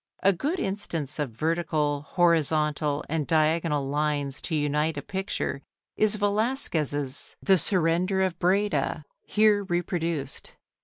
A good instance of vertical, horizontal, and diagonal lines to unite a picture is Velazquez's "The Surrender of Breda," here reproduced.